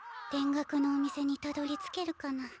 田楽のお店にたどりつけるかな。